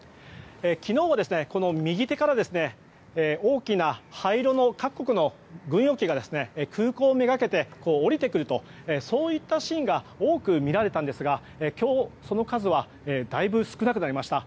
昨日は大きな灰色の各国の軍用機が空港めがけて降りてくるそういったシーンが多く見られたんですが今日、その数はだいぶ少なくなりました。